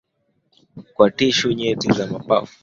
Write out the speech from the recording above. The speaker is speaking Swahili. kwa tishu nyeti za mapafu na zinaweza kupita kwenye mfumo wa damu